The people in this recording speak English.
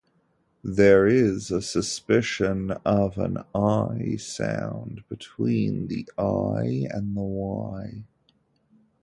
There is a suspicion of an "i" sound between the "l" and the "y".